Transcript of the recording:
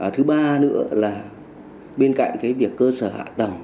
thứ ba nữa là bên cạnh cái việc cơ sở hạ tầng